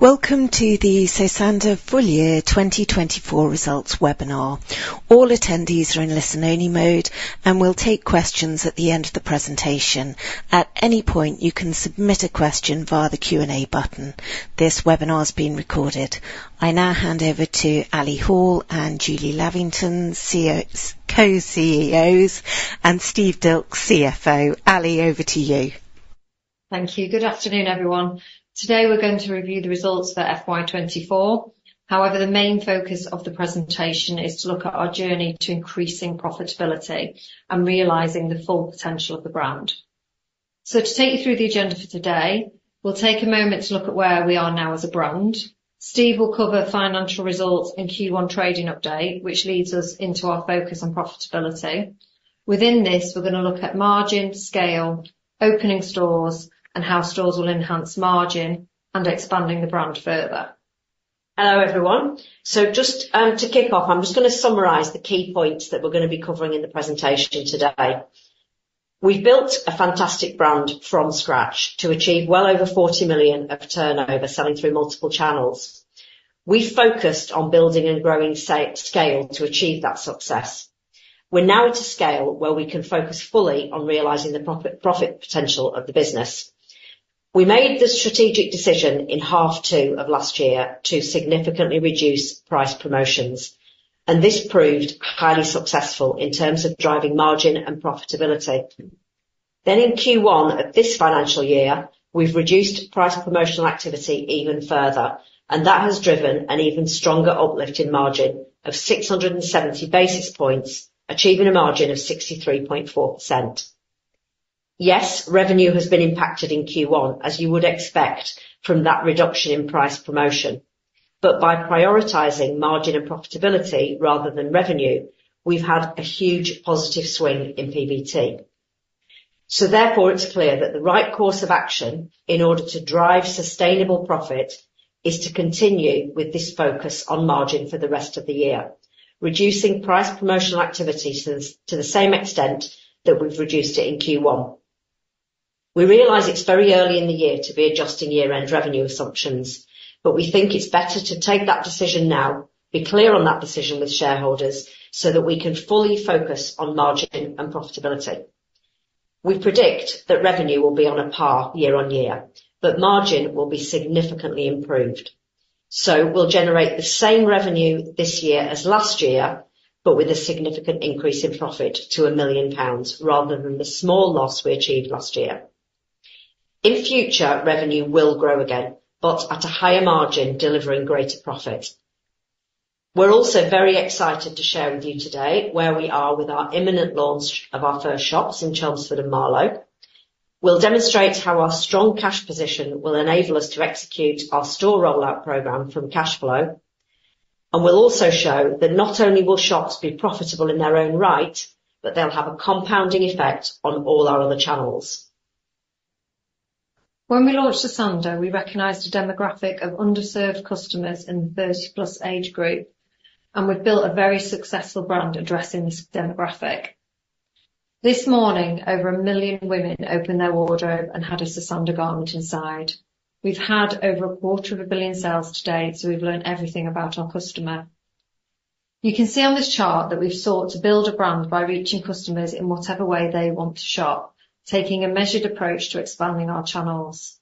Welcome to the Sosandar full year 2024 results webinar. All attendees are in listen-only mode, and we'll take questions at the end of the presentation. At any point, you can submit a question via the Q&A button. This webinar is being recorded. I now hand over to Ali Hall and Julie Lavington, co-CEOs, and Steve Dilks, CFO. Ali, over to you. Thank you. Good afternoon, everyone. Today, we're going to review the results for FY 2024. However, the main focus of the presentation is to look at our journey to increasing profitability and realizing the full potential of the brand. So to take you through the agenda for today, we'll take a moment to look at where we are now as a brand. Steve will cover financial results and Q1 trading update, which leads us into our focus on profitability. Within this, we're going to look at margin, scale, opening stores, and how stores will enhance margin and expanding the brand further. Hello, everyone. So just to kick off, I'm just going to summarize the key points that we're going to be covering in the presentation today. We've built a fantastic brand from scratch to achieve well over 40 million of turnover, selling through multiple channels. We focused on building and growing scale to achieve that success. We're now at a scale where we can focus fully on realizing the profit, profit potential of the business. We made the strategic decision in half two of last year to significantly reduce price promotions, and this proved highly successful in terms of driving margin and profitability. Then, in Q1 of this financial year, we've reduced price promotional activity even further, and that has driven an even stronger uplift in margin of 670 basis points, achieving a margin of 63.4%. Yes, revenue has been impacted in Q1, as you would expect from that reduction in price promotion, but by prioritizing margin and profitability rather than revenue, we've had a huge positive swing in PBT. So therefore, it's clear that the right course of action in order to drive sustainable profit is to continue with this focus on margin for the rest of the year, reducing price promotional activity to the same extent that we've reduced it in Q1. We realize it's very early in the year to be adjusting year-end revenue assumptions, but we think it's better to take that decision now, be clear on that decision with shareholders, so that we can fully focus on margin and profitability. We predict that revenue will be on a par year on year, but margin will be significantly improved. We'll generate the same revenue this year as last year, but with a significant increase in profit to 1 million pounds, rather than the small loss we achieved last year. In future, revenue will grow again, but at a higher margin, delivering greater profit. We're also very excited to share with you today where we are with our imminent launch of our first shops in Chelmsford and Marlow. We'll demonstrate how our strong cash position will enable us to execute our store rollout program from cash flow, and we'll also show that not only will shops be profitable in their own right, but they'll have a compounding effect on all our other channels. When we launched Sosandar, we recognized a demographic of underserved customers in the 30-plus age group, and we've built a very successful brand addressing this demographic. This morning, over 1 million women opened their wardrobe and had a Sosandar garment inside. We've had over GBP 250 million in sales to date, so we've learned everything about our customer. You can see on this chart that we've sought to build a brand by reaching customers in whatever way they want to shop, taking a measured approach to expanding our channels.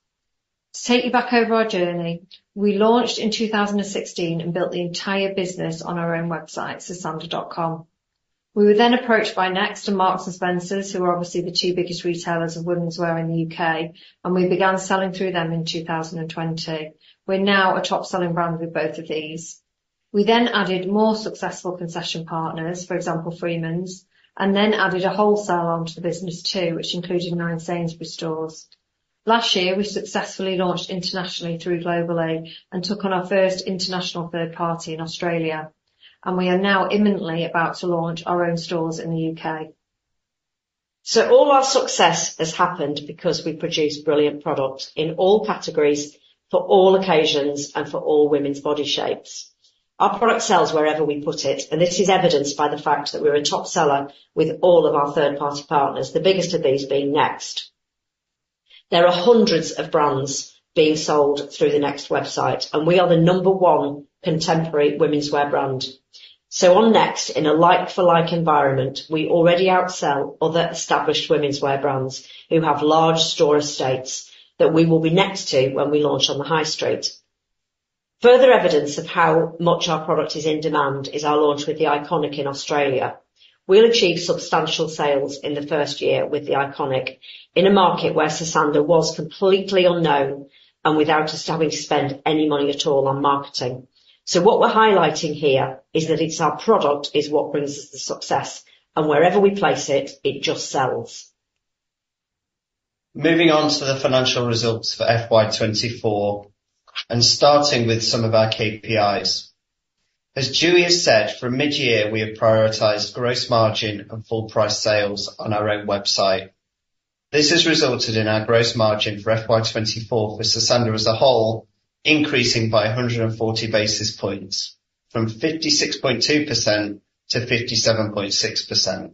To take you back over our journey, we launched in 2016 and built the entire business on our own website, sosandar.com. We were then approached by Next and Marks and Spencer, who are obviously the two biggest retailers of womenswear in the U.K., and we began selling through them in 2020. We're now a top-selling brand with both of these. We then added more successful concession partners, for example, Freemans, and then added a wholesale arm to the business, too, which included nine Sainsbury's stores. Last year, we successfully launched internationally through Global-e and took on our first international third party in Australia, and we are now imminently about to launch our own stores in the U.K. All our success has happened because we produce brilliant products in all categories, for all occasions, and for all women's body shapes. Our product sells wherever we put it, and this is evidenced by the fact that we're a top seller with all of our third-party partners, the biggest of these being Next. There are hundreds of brands being sold through the Next website, and we are the number one contemporary womenswear brand. On Next, in a like-for-like environment, we already outsell other established womenswear brands who have large store estates that we will be next to when we launch on the high street. Further evidence of how much our product is in demand is our launch with THE ICONIC in Australia. We'll achieve substantial sales in the first year with The Iconic in a market where Sosandar was completely unknown and without us having to spend any money at all on marketing. So what we're highlighting here is that it's our product is what brings us the success, and wherever we place it, it just sells. Moving on to the financial results for FY 2024 and starting with some of our KPIs. As Julie has said, from mid-year, we have prioritized gross margin and full price sales on our own website. This has resulted in our gross margin for FY 2024, for Sosandar as a whole, increasing by 140 basis points, from 56.2%-57.6%.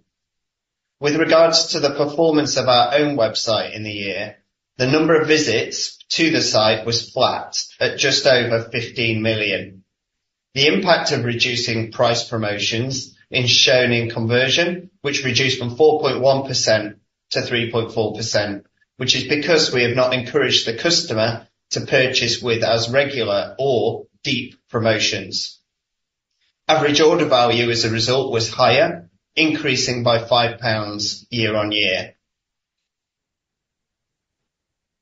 With regards to the performance of our own website in the year, the number of visits to the site was flat at just over 15 million. The impact of reducing price promotions is shown in conversion, which reduced from 4.1%-3.4%, which is because we have not encouraged the customer to purchase with as regular or deep promotions. Average order value as a result, was higher, increasing by 5 pounds year-on-year.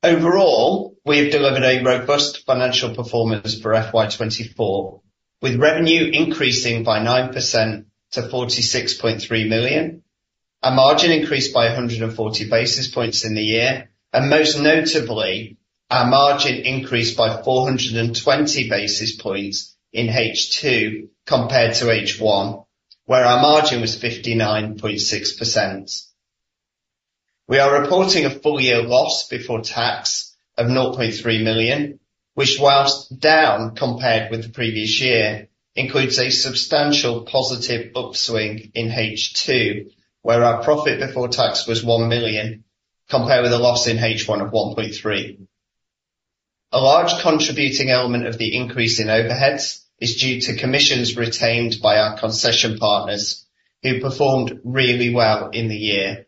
Overall, we have delivered a robust financial performance for FY 2024, with revenue increasing by 9% to 46.3 million. Our margin increased by a hundred and forty basis points in the year, and most notably, our margin increased by four hundred and twenty basis points in H2 compared to H1, where our margin was 59.6%. We are reporting a full year loss before tax of 0.3 million, which, while down compared with the previous year, includes a substantial positive upswing in H2, where our profit before tax was 1 million, compared with a loss in H1 of 1.3 million. A large contributing element of the increase in overheads is due to commissions retained by our concession partners, who performed really well in the year.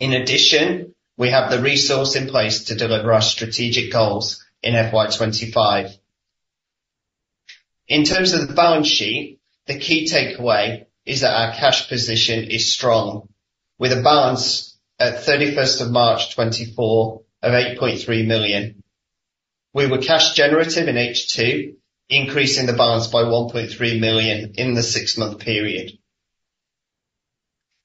In addition, we have the resource in place to deliver our strategic goals in FY 2025. In terms of the balance sheet, the key takeaway is that our cash position is strong, with a balance at March 31, 2024, of 8.3 million. We were cash generative in H2, increasing the balance by 1.3 million in the six-month period.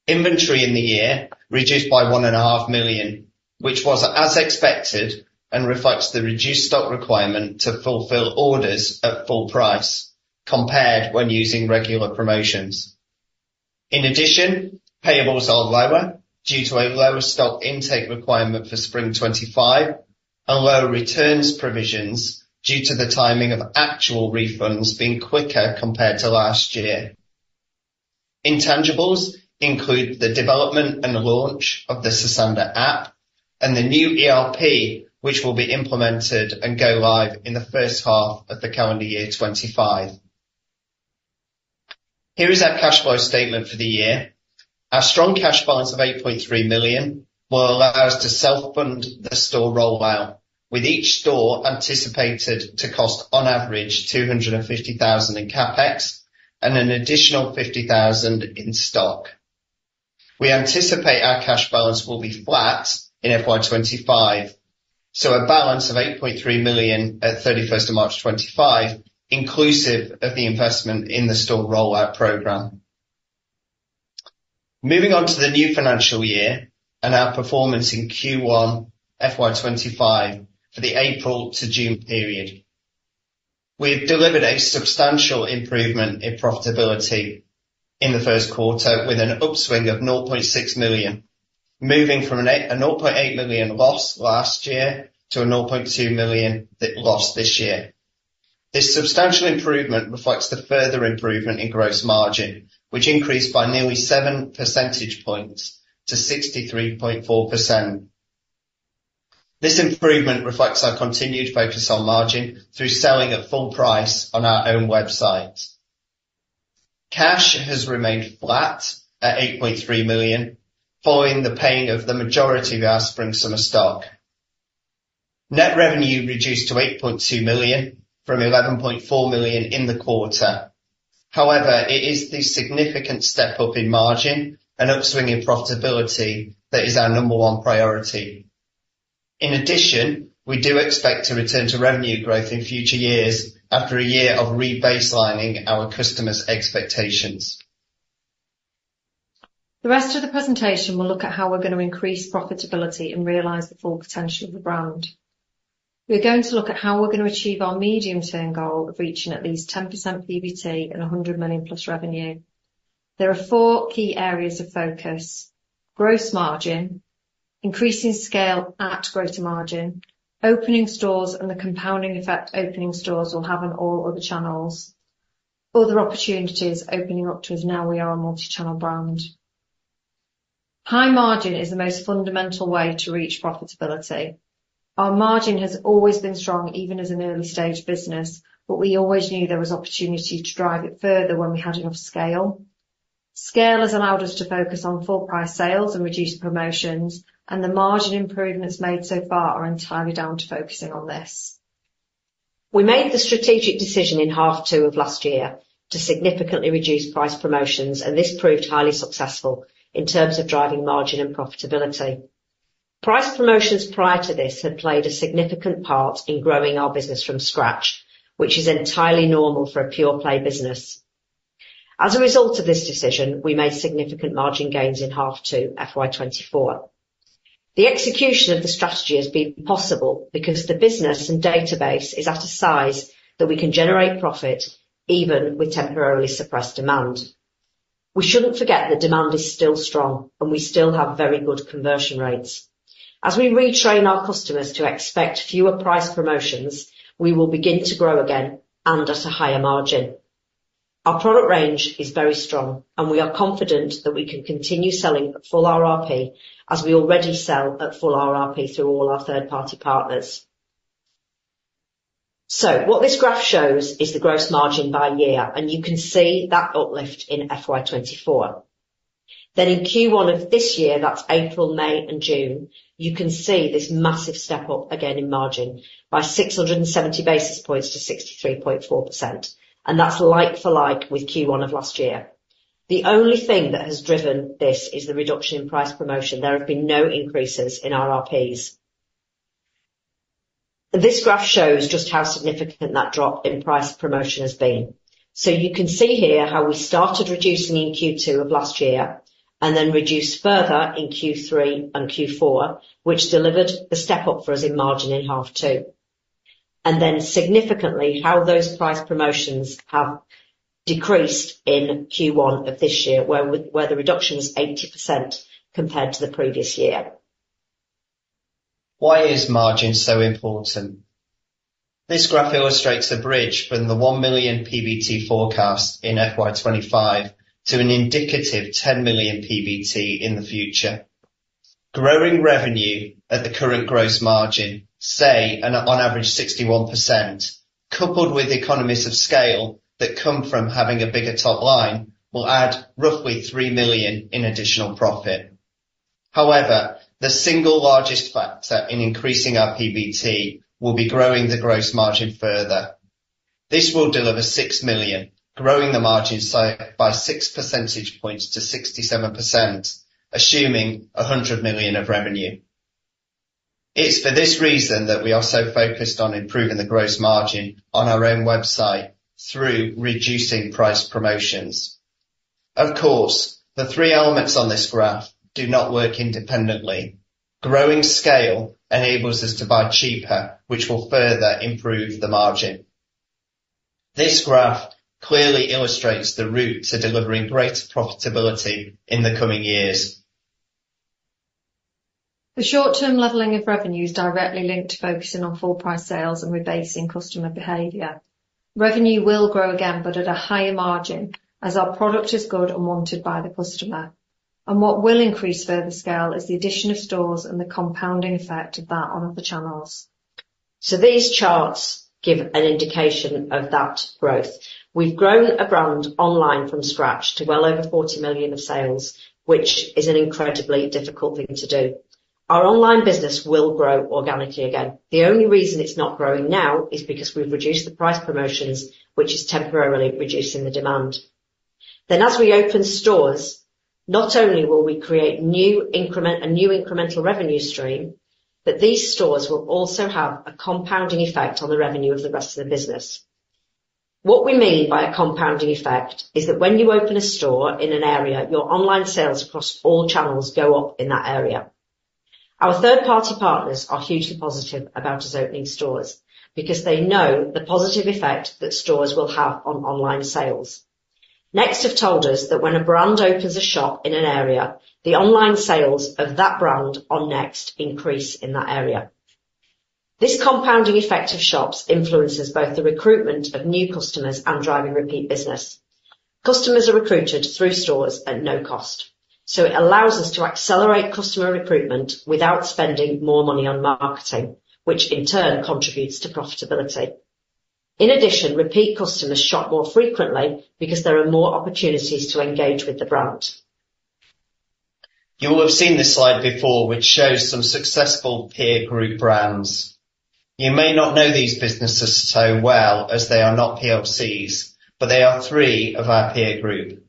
Inventory in the year reduced by 1.5 million, which was as expected and reflects the reduced stock requirement to fulfill orders at full price compared when using regular promotions. In addition, payables are lower due to a lower stock intake requirement for spring 2025 and lower returns provisions due to the timing of actual refunds being quicker compared to last year. Intangibles include the development and launch of the Sosandar app and the new ERP, which will be implemented and go live in the first half of the calendar year 2025. Here is our cash flow statement for the year. Our strong cash balance of 8.3 million will allow us to self-fund the store rollout, with each store anticipated to cost, on average, 250,000 in CapEx and an additional 50,000 in stock. We anticipate our cash balance will be flat in FY 2025, so a balance of 8.3 million at March 31, 2025, inclusive of the investment in the store rollout program. Moving on to the new financial year and our performance in Q1 FY 2025 for the April to June period. We've delivered a substantial improvement in profitability in the first quarter, with an upswing of 0.6 million, moving from a 0.8 million loss last year to a 0.2 million loss this year. This substantial improvement reflects the further improvement in gross margin, which increased by nearly 7 percentage points to 63.4%. This improvement reflects our continued focus on margin through selling at full price on our own website. Cash has remained flat at 8.3 million, following the paying of the majority of our spring/summer stock. Net revenue reduced to 8.2 million from 11.4 million in the quarter. However, it is the significant step up in margin and upswing in profitability that is our number one priority. In addition, we do expect to return to revenue growth in future years after a year of rebaselining our customers' expectations. The rest of the presentation will look at how we're going to increase profitability and realize the full potential of the brand. We're going to look at how we're going to achieve our medium-term goal of reaching at least 10% PBT and 100 million+ revenue. There are four key areas of focus: gross margin, increasing scale at greater margin, opening stores, and the compounding effect opening stores will have on all other channels, other opportunities opening up to us now we are a multi-channel brand. High margin is the most fundamental way to reach profitability. Our margin has always been strong, even as an early-stage business, but we always knew there was opportunity to drive it further when we had enough scale. Scale has allowed us to focus on full price sales and reduce promotions, and the margin improvements made so far are entirely down to focusing on this. We made the strategic decision in half two of last year to significantly reduce price promotions, and this proved highly successful in terms of driving margin and profitability. Price promotions prior to this had played a significant part in growing our business from scratch, which is entirely normal for a pure play business. As a result of this decision, we made significant margin gains in half two, FY 2024. The execution of the strategy has been possible because the business and database is at a size that we can generate profit even with temporarily suppressed demand. We shouldn't forget that demand is still strong, and we still have very good conversion rates. As we retrain our customers to expect fewer price promotions, we will begin to grow again and at a higher margin. ... Our product range is very strong, and we are confident that we can continue selling at full RRP, as we already sell at full RRP through all our third-party partners. So what this graph shows is the gross margin by year, and you can see that uplift in FY 2024. Then in Q1 of this year, that's April, May, and June, you can see this massive step up again in margin by 670 basis points to 63.4%, and that's like-for-like with Q1 of last year. The only thing that has driven this is the reduction in price promotion. There have been no increases in RRPs. This graph shows just how significant that drop in price promotion has been. So you can see here how we started reducing in Q2 of last year, and then reduced further in Q3 and Q4, which delivered the step up for us in margin in half two, and then significantly, how those price promotions have decreased in Q1 of this year, where the reduction is 80% compared to the previous year. Why is margin so important? This graph illustrates a bridge from the 1 million PBT forecast in FY 2025 to an indicative 10 million PBT in the future. Growing revenue at the current gross margin, say, on average, 61%, coupled with economies of scale that come from having a bigger top line, will add roughly 3 million in additional profit. However, the single largest factor in increasing our PBT will be growing the gross margin further. This will deliver 6 million, growing the margin by six percentage points to 67%, assuming 100 million of revenue. It's for this reason that we are so focused on improving the gross margin on our own website through reducing price promotions. Of course, the three elements on this graph do not work independently. Growing scale enables us to buy cheaper, which will further improve the margin. This graph clearly illustrates the route to delivering greater profitability in the coming years. The short-term leveling of revenue is directly linked to focusing on full price sales and rebasing customer behavior. Revenue will grow again, but at a higher margin, as our product is good and wanted by the customer. What will increase further scale is the addition of stores and the compounding effect of that on other channels. So these charts give an indication of that growth. We've grown a brand online from scratch to well over 40 million of sales, which is an incredibly difficult thing to do. Our online business will grow organically again. The only reason it's not growing now is because we've reduced the price promotions, which is temporarily reducing the demand. Then, as we open stores, not only will we create a new incremental revenue stream, but these stores will also have a compounding effect on the revenue of the rest of the business. What we mean by a compounding effect is that when you open a store in an area, your online sales across all channels go up in that area. Our third-party partners are hugely positive about us opening stores because they know the positive effect that stores will have on online sales. Next have told us that when a brand opens a shop in an area, the online sales of that brand on Next increase in that area. This compounding effect of shops influences both the recruitment of new customers and driving repeat business. Customers are recruited through stores at no cost, so it allows us to accelerate customer recruitment without spending more money on marketing, which in turn contributes to profitability. In addition, repeat customers shop more frequently because there are more opportunities to engage with the brand. You will have seen this slide before, which shows some successful peer group brands. You may not know these businesses so well, as they are not PLCs, but they are three of our peer group. They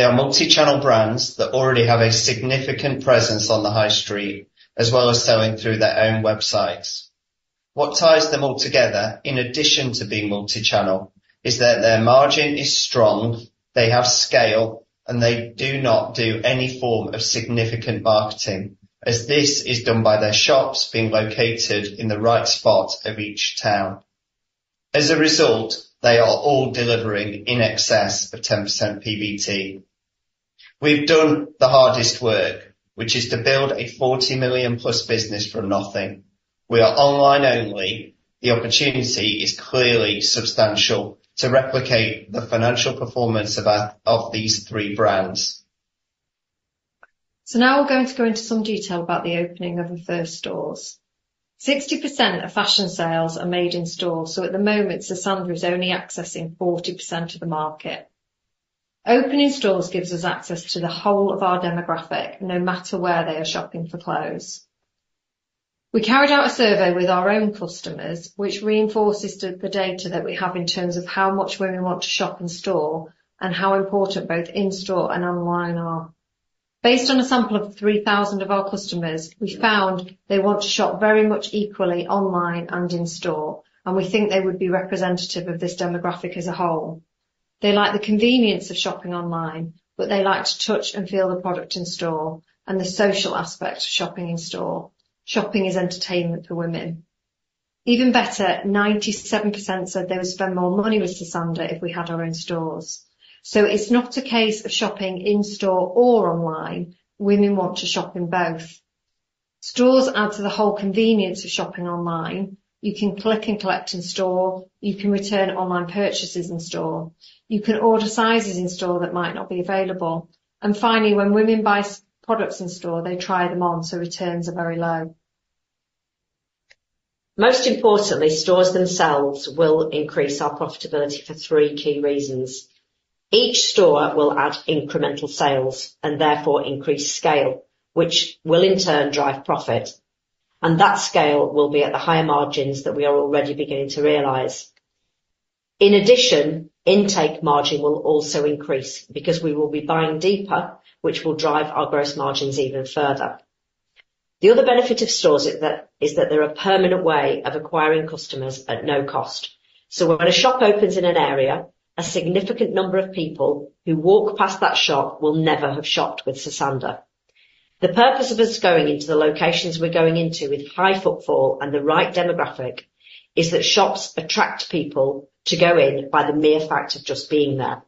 are multi-channel brands that already have a significant presence on the high street, as well as selling through their own websites. What ties them all together, in addition to being multi-channel, is that their margin is strong, they have scale, and they do not do any form of significant marketing, as this is done by their shops being located in the right spot of each town. As a result, they are all delivering in excess of 10% PBT. We've done the hardest work, which is to build a 40 million-plus business from nothing. We are online only. The opportunity is clearly substantial to replicate the financial performance of these three brands. So now we're going to go into some detail about the opening of our first stores. 60% of fashion sales are made in stores, so at the moment, Sosandar is only accessing 40% of the market. Opening stores gives us access to the whole of our demographic, no matter where they are shopping for clothes. We carried out a survey with our own customers, which reinforces the data that we have in terms of how much women want to shop in store and how important both in-store and online are. Based on a sample of 3,000 of our customers, we found they want to shop very much equally online and in store, and we think they would be representative of this demographic as a whole. They like the convenience of shopping online, but they like to touch and feel the product in store and the social aspect of shopping in store. Shopping is entertainment for women. Even better, 97% said they would spend more money with Sosandar if we had our own stores. So it's not a case of shopping in store or online, women want to shop in both.... Stores add to the whole convenience of shopping online. You can click and collect in store. You can return online purchases in store. You can order sizes in store that might not be available. And finally, when women buy Sosandar products in store, they try them on, so returns are very low. Most importantly, stores themselves will increase our profitability for three key reasons. Each store will add incremental sales, and therefore increase scale, which will in turn drive profit, and that scale will be at the higher margins that we are already beginning to realize. In addition, intake margin will also increase because we will be buying deeper, which will drive our gross margins even further. The other benefit of stores is that they're a permanent way of acquiring customers at no cost. So when a shop opens in an area, a significant number of people who walk past that shop will never have shopped with Sosandar. The purpose of us going into the locations we're going into with high footfall and the right demographic, is that shops attract people to go in by the mere fact of just being there.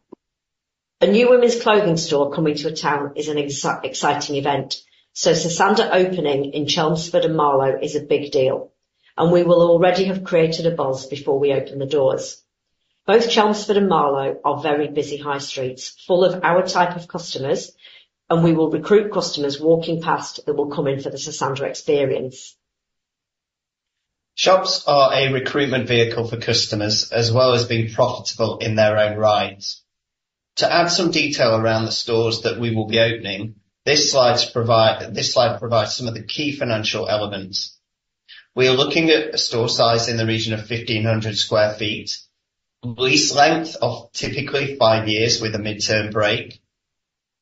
A new women's clothing store coming to a town is an exciting event, so Sosandar opening in Chelmsford and Marlow is a big deal, and we will already have created a buzz before we open the doors. Both Chelmsford and Marlow are very busy high streets, full of our type of customers, and we will recruit customers walking past that will come in for the Sosandar experience. Shops are a recruitment vehicle for customers, as well as being profitable in their own right. To add some detail around the stores that we will be opening, this slide provides some of the key financial elements. We are looking at a store size in the region of 1,500 sq ft, lease length of typically 5 years with a midterm break.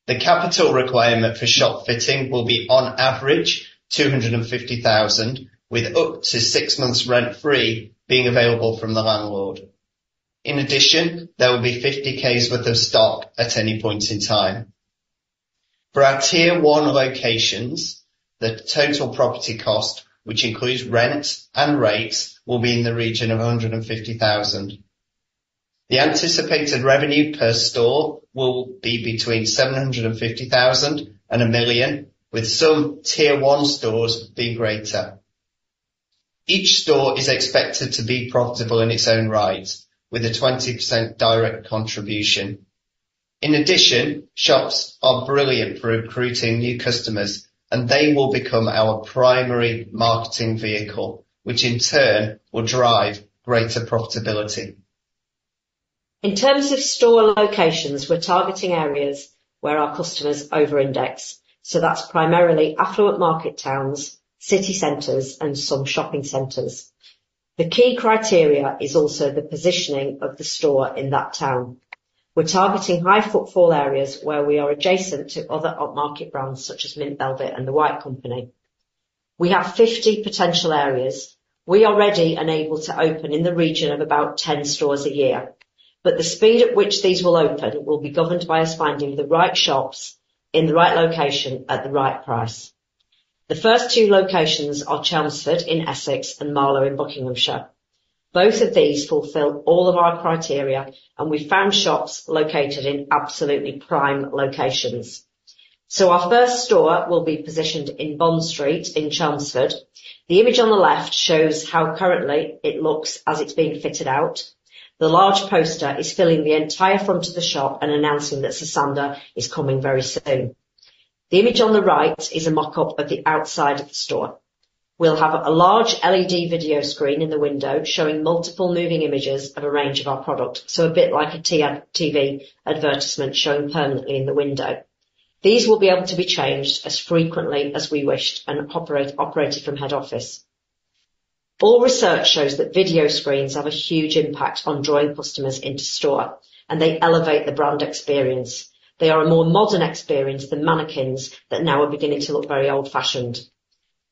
The capital requirement for shop fitting will be, on average, 250,000, with up to 6 months rent-free being available from the landlord. In addition, there will be 50 Ks worth of stock at any point in time. For our Tier one locations, the total property cost, which includes rent and rates, will be in the region of 150,000. The anticipated revenue per store will be between 750,000 and 1 million, with some tier one stores being greater. Each store is expected to be profitable in its own right, with a 20% direct contribution. In addition, shops are brilliant for recruiting new customers, and they will become our primary marketing vehicle, which in turn will drive greater profitability. In terms of store locations, we're targeting areas where our customers over-index, so that's primarily affluent market towns, city centers, and some shopping centers. The key criteria is also the positioning of the store in that town. We're targeting high footfall areas where we are adjacent to other upmarket brands, such as Mint Velvet and The White Company. We have 50 potential areas. We are ready and able to open in the region of about 10 stores a year, but the speed at which these will open will be governed by us finding the right shops, in the right location, at the right price. The first two locations are Chelmsford in Essex and Marlow in Buckinghamshire. Both of these fulfill all of our criteria, and we found shops located in absolutely prime locations. So our first store will be positioned in Bond Street in Chelmsford. The image on the left shows how currently it looks as it's being fitted out. The large poster is filling the entire front of the shop and announcing that Sosandar is coming very soon. The image on the right is a mock-up of the outside of the store. We'll have a large LED video screen in the window showing multiple moving images of a range of our product, so a bit like a TV advertisement shown permanently in the window. These will be able to be changed as frequently as we wished and operated from head office. All research shows that video screens have a huge impact on drawing customers into store, and they elevate the brand experience. They are a more modern experience than mannequins that now are beginning to look very old-fashioned.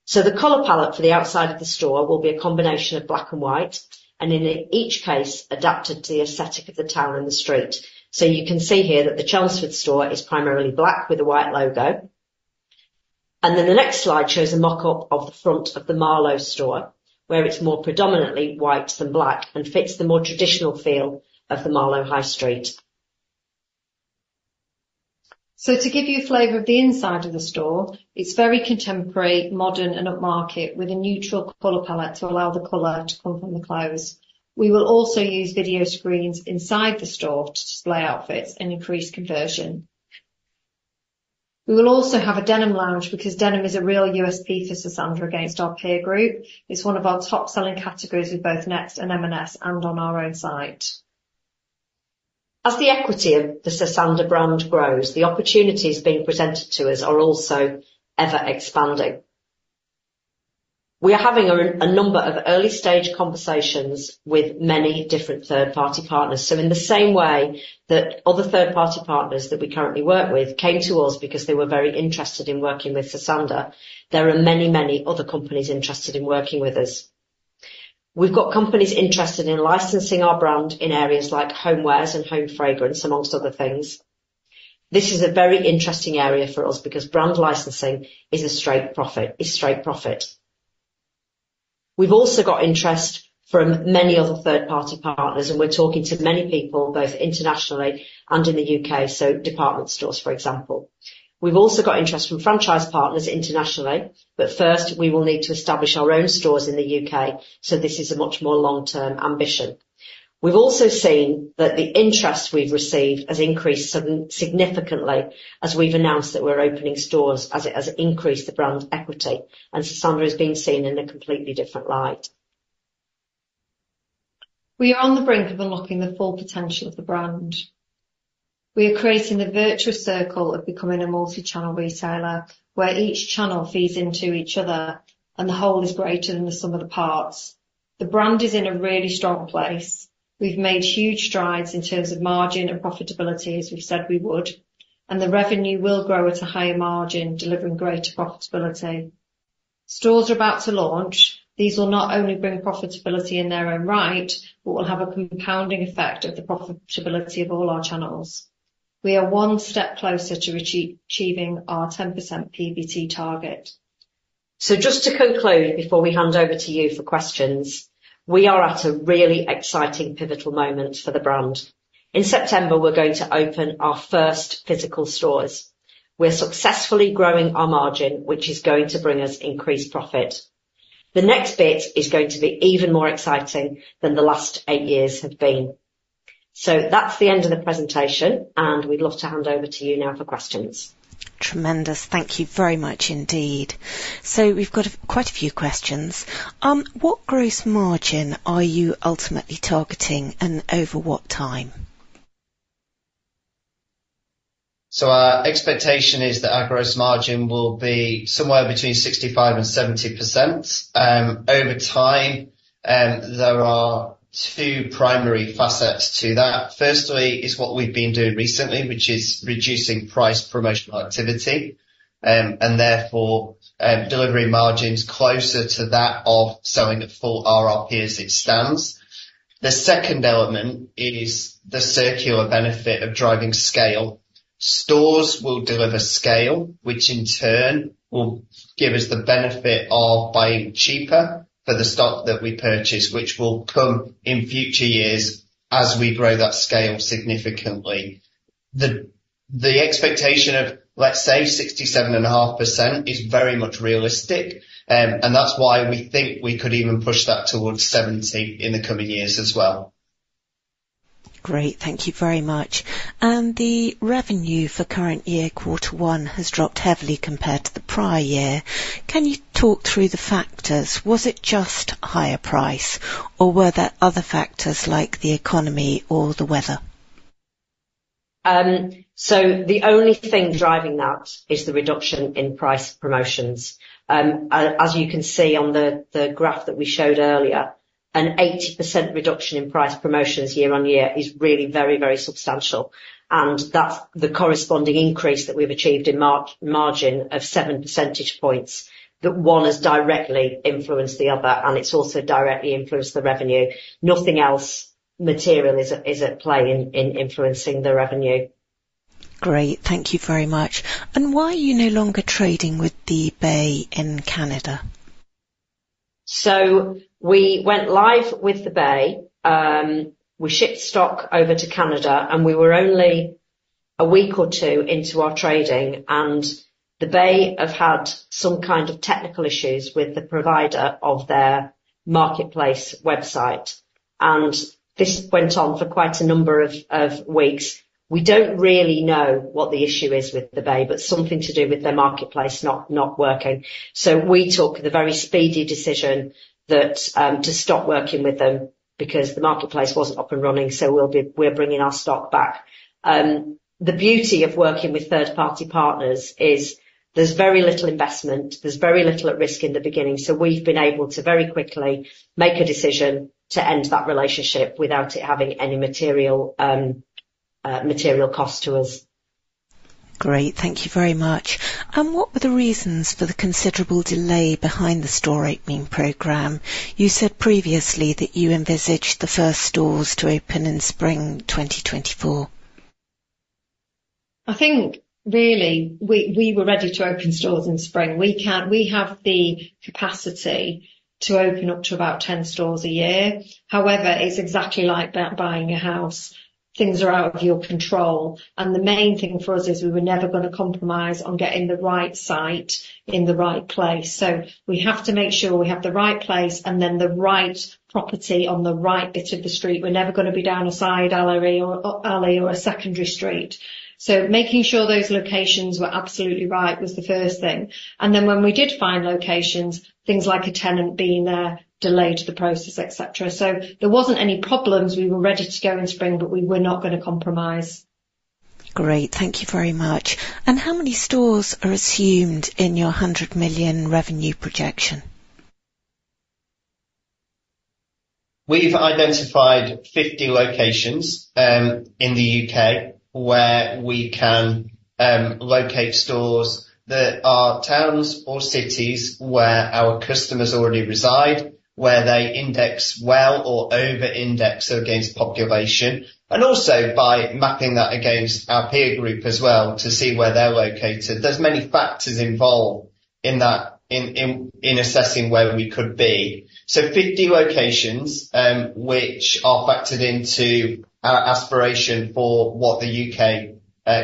So the color palette for the outside of the store will be a combination of black and white, and in each case, adapted to the aesthetic of the town and the street. So you can see here that the Chelmsford store is primarily black with a white logo. And then the next slide shows a mock-up of the front of the Marlow store, where it's more predominantly white than black and fits the more traditional feel of the Marlow high street. So to give you a flavor of the inside of the store, it's very contemporary, modern, and upmarket, with a neutral color palette to allow the color to come from the clothes. We will also use video screens inside the store to display outfits and increase conversion. We will also have a denim lounge, because denim is a real USP for Sosandar against our peer group. It's one of our top-selling categories with both Next and M&S and on our own site. As the equity of the Sosandar brand grows, the opportunities being presented to us are also ever-expanding. We are having a number of early-stage conversations with many different third-party partners. So in the same way that other third-party partners that we currently work with came to us because they were very interested in working with Sosandar, there are many, many other companies interested in working with us. We've got companies interested in licensing our brand in areas like homewares and home fragrance, among other things. This is a very interesting area for us because brand licensing is a straight profit. We've also got interest from many other third-party partners, and we're talking to many people, both internationally and in the U.K., so department stores, for example. We've also got interest from franchise partners internationally, but first, we will need to establish our own stores in the U.K., so this is a much more long-term ambition. We've also seen that the interest we've received has increased significantly as we've announced that we're opening stores, as it has increased the brand equity, and Sosandar is being seen in a completely different light. We are on the brink of unlocking the full potential of the brand. We are creating a virtuous circle of becoming a multi-channel retailer, where each channel feeds into each other and the whole is greater than the sum of the parts. The brand is in a really strong place. We've made huge strides in terms of margin and profitability, as we've said we would, and the revenue will grow at a higher margin, delivering greater profitability. Stores are about to launch. These will not only bring profitability in their own right, but will have a compounding effect of the profitability of all our channels. We are one step closer to achieving our 10% PBT target. So just to conclude, before we hand over to you for questions, we are at a really exciting, pivotal moment for the brand. In September, we're going to open our first physical stores. We're successfully growing our margin, which is going to bring us increased profit. The next bit is going to be even more exciting than the last eight years have been. So that's the end of the presentation, and we'd love to hand over to you now for questions. Tremendous. Thank you very much indeed. We've got quite a few questions. What gross margin are you ultimately targeting, and over what time? So our expectation is that our gross margin will be somewhere between 65% and 70%. Over time, there are two primary facets to that. Firstly, is what we've been doing recently, which is reducing price promotional activity, and therefore, delivering margins closer to that of selling at full RRP as it stands. The second element is the circular benefit of driving scale. Stores will deliver scale, which in turn will give us the benefit of buying cheaper for the stock that we purchase, which will come in future years as we grow that scale significantly. The expectation of, let's say, 67.5% is very much realistic, and that's why we think we could even push that towards 70% in the coming years as well. Great. Thank you very much. The revenue for current year Quarter One has dropped heavily compared to the prior year. Can you talk through the factors? Was it just higher price, or were there other factors, like the economy or the weather? So the only thing driving that is the reduction in price promotions. As you can see on the graph that we showed earlier, an 80% reduction in price promotions year-on-year is really very, very substantial, and that's the corresponding increase that we've achieved in margin of 7 percentage points. That one has directly influenced the other, and it's also directly influenced the revenue. Nothing else material is at play in influencing the revenue. Great. Thank you very much. Why are you no longer trading with The Bay in Canada? So we went live with The Bay. We shipped stock over to Canada, and we were only a week or two into our trading, and The Bay have had some kind of technical issues with the provider of their marketplace website, and this went on for quite a number of weeks. We don't really know what the issue is with The Bay, but something to do with their marketplace not working. So we took the very speedy decision to stop working with them because the marketplace wasn't up and running, so we're bringing our stock back. The beauty of working with third-party partners is there's very little investment, there's very little at risk in the beginning, so we've been able to very quickly make a decision to end that relationship without it having any material cost to us. Great. Thank you very much. What were the reasons for the considerable delay behind the store opening program? You said previously that you envisaged the first stores to open in spring 2024. I think, really, we were ready to open stores in spring. We can... We have the capacity to open up to about 10 stores a year. However, it's exactly like that, buying a house. Things are out of your control, and the main thing for us is we were never going to compromise on getting the right site in the right place. So we have to make sure we have the right place and then the right property on the right bit of the street. We're never gonna be down a side alleyway or an alley or a secondary street. So making sure those locations were absolutely right was the first thing, and then when we did find locations, things like a tenant being there delayed the process, et cetera. So there wasn't any problems. We were ready to go in spring, but we were not gonna compromise. Great. Thank you very much. And how many stores are assumed in your 100 million revenue projection? We've identified 50 locations in the U.K. where we can locate stores that are towns or cities where our customers already reside, where they index well or over-index against population, and also by mapping that against our peer group as well, to see where they're located. There's many factors involved in that in assessing where we could be. So 50 locations, which are factored into our aspiration for what the U.K.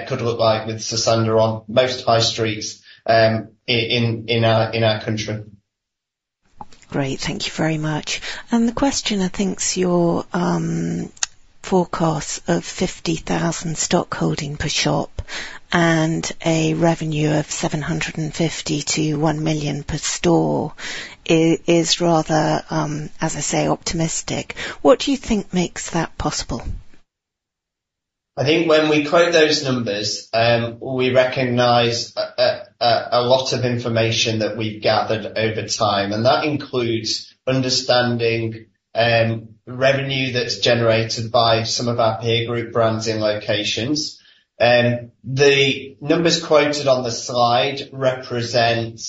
could look like with Sosandar on most high streets in our country. Great, thank you very much. The questioner thinks your forecast of 50,000 stock holding per shop and a revenue of 750,000-1 million per store is rather, as I say, optimistic. What do you think makes that possible? I think when we quote those numbers, we recognize a lot of information that we've gathered over time, and that includes understanding revenue that's generated by some of our peer group brands and locations. The numbers quoted on the slide represent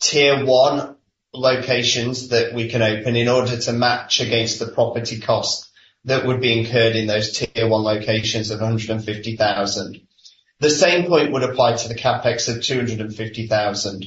tier one locations that we can open in order to match against the property cost that would be incurred in those tier one locations of 150,000. The same point would apply to the CapEx of 250,000.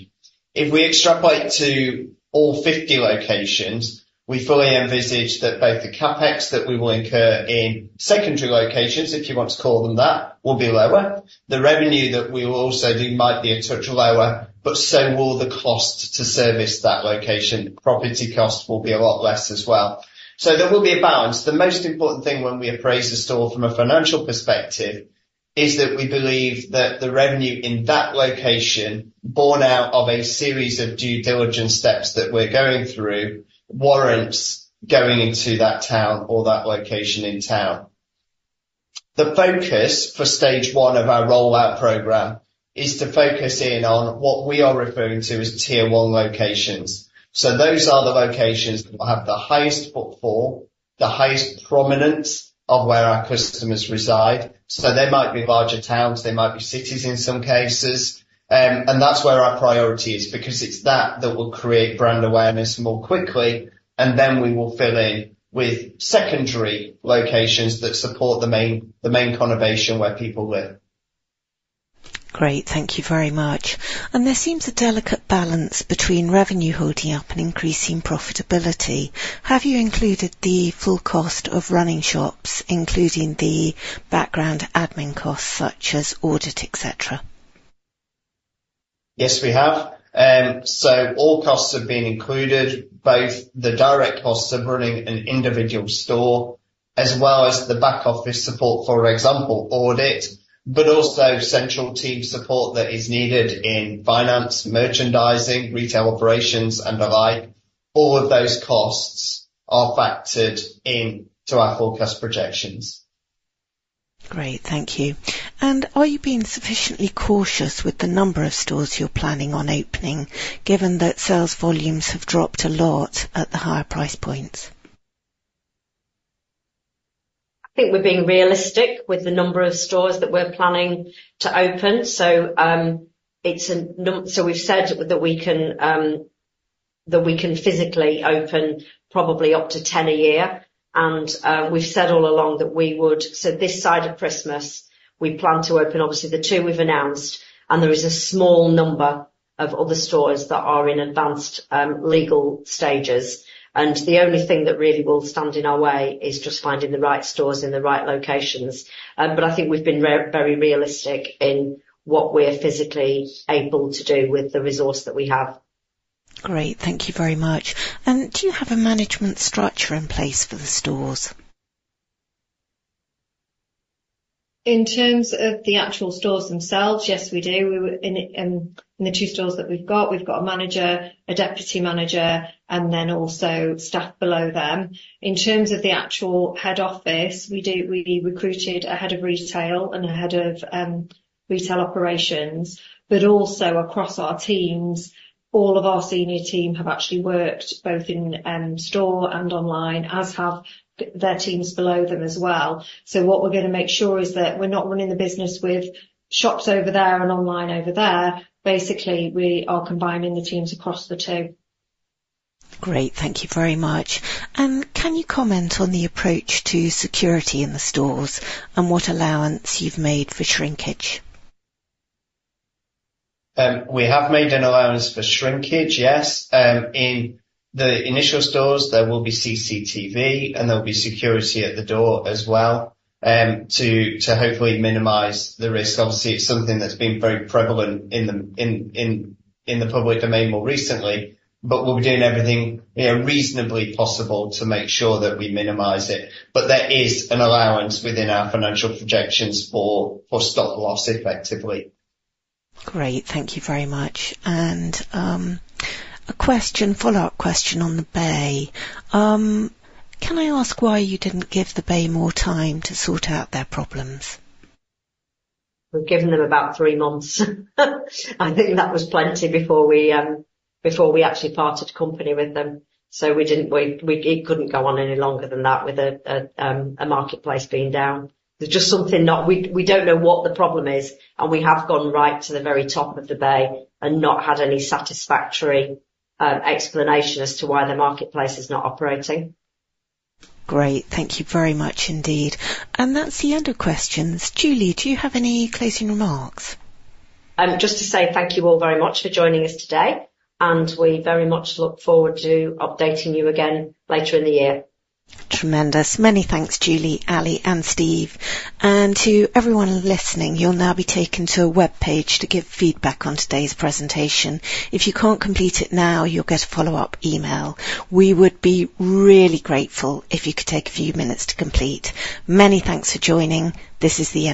If we extrapolate to all 50 locations, we fully envisage that both the CapEx that we will incur in secondary locations, if you want to call them that, will be lower. The revenue that we will also do might be a touch lower, but so will the cost to service that location. Property cost will be a lot less as well. So there will be a balance. The most important thing when we appraise a store from a financial perspective is that we believe that the revenue in that location, borne out of a series of due diligence steps that we're going through, warrants going into that town or that location in town. The focus for stage one of our rollout program is to focus in on what we are referring to as Tier one locations. So those are the locations that will have the highest footfall, the highest prominence of where our customers reside, so they might be larger towns, they might be cities in some cases, and that's where our priority is, because it's that that will create brand awareness more quickly, and then we will fill in with secondary locations that support the main conurbation where people live. Great. Thank you very much. There seems a delicate balance between revenue holding up and increasing profitability. Have you included the full cost of running shops, including the background admin costs, such as audit, et cetera? Yes, we have. So all costs have been included, both the direct costs of running an individual store, as well as the back office support, for example, audit, but also central team support that is needed in finance, merchandising, retail operations and the like. All of those costs are factored into our forecast projections. Great. Thank you. Are you being sufficiently cautious with the number of stores you're planning on opening, given that sales volumes have dropped a lot at the higher price points? I think we're being realistic with the number of stores that we're planning to open. So we've said that we can physically open probably up to 10 a year, and we've said all along that we would. So this side of Christmas, we plan to open, obviously, the two we've announced, and there is a small number of other stores that are in advanced legal stages. And the only thing that really will stand in our way is just finding the right stores in the right locations. But I think we've been very realistic in what we're physically able to do with the resource that we have. Great. Thank you very much. Do you have a management structure in place for the stores? In terms of the actual stores themselves, yes, we do. We, in, in the two stores that we've got, we've got a manager, a deputy manager, and then also staff below them. In terms of the actual head office, we do. We recruited a head of retail and a head of retail operations, but also across our teams, all of our senior team have actually worked both in store and online, as have their teams below them as well. So what we're going to make sure is that we're not running the business with shops over there and online over there. Basically, we are combining the teams across the two. Great. Thank you very much. Can you comment on the approach to security in the stores and what allowance you've made for shrinkage? We have made an allowance for shrinkage, yes. In the initial stores, there will be CCTV, and there'll be security at the door as well, to hopefully minimize the risk. Obviously, it's something that's been very prevalent in the public domain more recently, but we'll be doing everything, you know, reasonably possible to make sure that we minimize it. But there is an allowance within our financial projections for stock loss, effectively. Great. Thank you very much. And, a question, follow-up question on The Bay. Can I ask why you didn't give The Bay more time to sort out their problems? We've given them about three months. I think that was plenty before we actually parted company with them, so we didn't, it couldn't go on any longer than that with a marketplace being down. There's just something not... We don't know what the problem is, and we have gone right to the very top of The Bay and not had any satisfactory explanation as to why the marketplace is not operating. Great. Thank you very much indeed. That's the end of questions. Julie, do you have any closing remarks? Just to say thank you all very much for joining us today, and we very much look forward to updating you again later in the year. Tremendous. Many thanks, Julie, Ali, and Steve. To everyone listening, you'll now be taken to a webpage to give feedback on today's presentation. If you can't complete it now, you'll get a follow-up email. We would be really grateful if you could take a few minutes to complete. Many thanks for joining. This is the end.